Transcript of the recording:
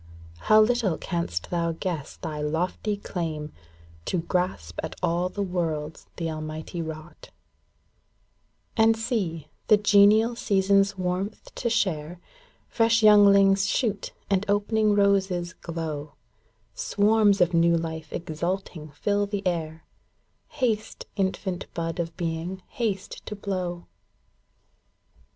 How little canst thou guess thy lofty claim To grasp at all the worlds the Almighty wrought ! 200 TO A LITTLE INVISIBLE BEING WHO And see, the genial season's warmth to share. Fresh younghngs shoot, and opening roses glow ! Swarms of new life exulting fill the air, ŌĆö Haste, infant bud of being, haste to blow